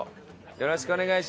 よろしくお願いします。